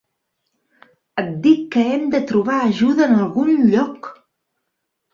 Et dic que hem de trobar ajuda en algun lloc.